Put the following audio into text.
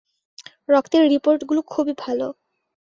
রক্তের রিপোর্টগুলো খুবই ভালো।